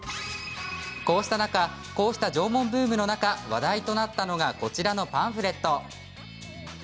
こうした縄文ブームの中、話題となったのがこちらのパンフレット。